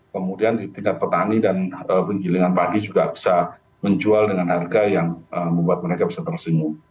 kemudian di tingkat petani dan penggilingan padi juga bisa menjual dengan harga yang membuat mereka bisa tersenyum